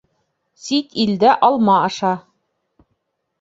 Сит илдә алма аша